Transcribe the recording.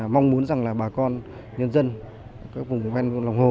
mong muốn rằng là bà con nhân dân các vùng ven lòng hồ